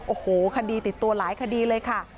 โอ้โหคดีติดตัวหลายคดีเลยค่ะ